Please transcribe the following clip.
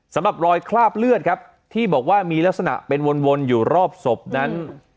สำหรับรอยคราบเลือดครับที่บอกว่ามีลักษณะเป็นวนอยู่รอบศพนั้น